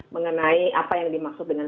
mengenai apa yang dimaksud dengan